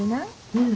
うん。